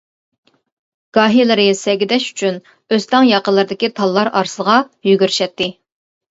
گاھىلىرى سەگىدەش ئۈچۈن ئۆستەڭ ياقىلىرىدىكى تاللار ئارىسىغا يۈگۈرۈشەتتى.